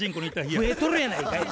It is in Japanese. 増えとるやないかい。